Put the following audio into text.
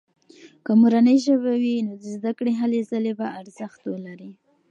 که مورنۍ ژبه وي، نو د زده کړې هلې ځلې به ارزښت ولري.